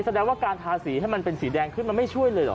แสดงว่าการทาสีให้มันเป็นสีแดงขึ้นมันไม่ช่วยเลยเหรอ